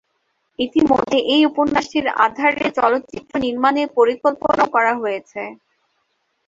ইতিমধ্যে এই উপন্যাসটির আধারে চলচ্চিত্র নির্মাণের পরিকল্পনাও করা হয়েছে।